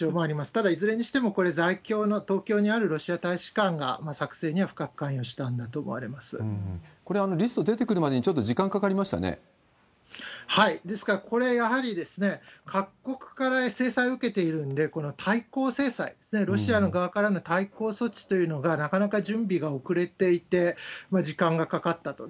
ただ、いずれにしても、これ、在京の東京にあるロシア大使館が作成には深く関与したんだと思わこれはリスト出てくるまでにですから、これ、やはり各国から制裁を受けているんで、この対抗制裁ですね、ロシアの側からの対抗措置というのが、なかなか準備が遅れていて、時間がかかったと。